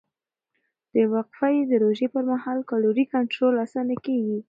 د وقفهيي روژې پر مهال کالوري کنټرول اسانه کېږي.